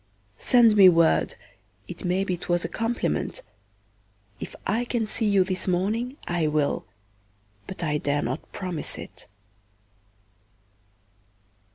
Send me word, it maybe 'twas a compliment; if I can see you this morning I will, but I dare not promise it.